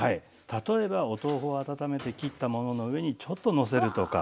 例えばお豆腐を温めて切ったものの上にちょっとのせるとか。